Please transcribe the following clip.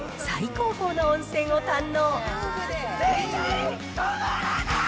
最高峰の温泉を堪能。